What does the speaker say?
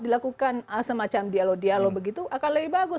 dilakukan semacam dialog dialog begitu akan lebih bagus